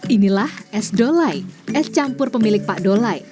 inilah es dolai es campur pemilik pak dolai